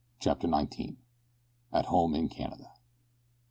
CHAPTER NINETEEN. AT HOME IN CANADA.